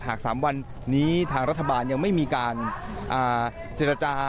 ๓วันนี้ทางรัฐบาลยังไม่มีการเจรจา